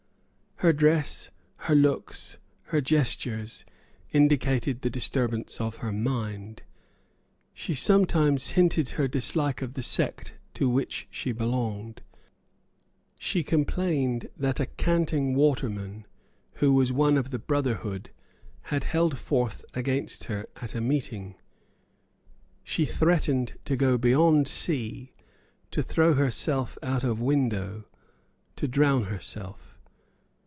Her dress, her looks, her gestures, indicated the disturbance of her mind. She sometimes hinted her dislike of the sect to which she belonged. She complained that a canting waterman who was one of the brotherhood had held forth against her at a meeting. She threatened to go beyond sea, to throw herself out of window, to drown herself.